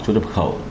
chốt trập khẩu